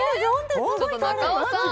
ちょっと中尾さん